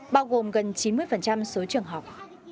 bao gồm gần chín mươi số trưởng học